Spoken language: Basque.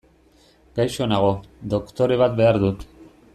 Gaixo nago, doktore bat behar dut.